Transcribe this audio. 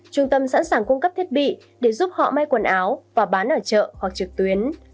trung tâm sẵn sàng cung cấp thiết bị để giúp họ may quần áo và bán ở chợ hoặc trực tuyến